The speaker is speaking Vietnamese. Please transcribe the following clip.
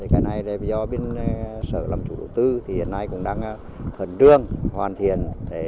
cái này do bên sở làm chủ đầu tư hiện nay cũng đang hận đương hoàn thiện